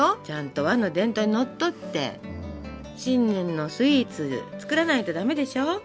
ちゃんと和の伝統にのっとって新年のスイーツ作らないと駄目でしょ？